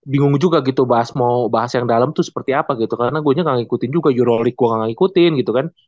bingung juga gitu bahas mau bahas yang dalam tuh seperti apa gitu karena gue gak ngikutin juga jurnally gue gak ngikutin gitu kan